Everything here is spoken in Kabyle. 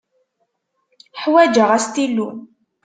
Ḥwaǧeɣ astilu.